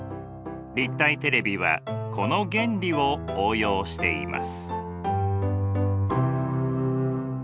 立体テレビはこの原理を応用しています。